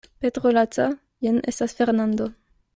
Petro laca, jen estas Fernando.